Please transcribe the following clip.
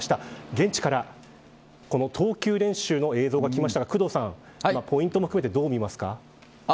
現地から投球練習の映像が来ましたが工藤さんポイントも含めてどう見ますか。